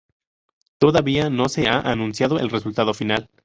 Todavía no se ha anunciado el resultado final.